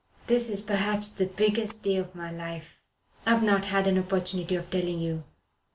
"This is perhaps the biggest day of my life. I've not had an opportunity of telling you.